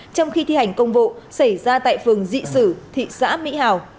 trong khi thi hành công vụ xảy ra tại phường dị sử thị xã mỹ hào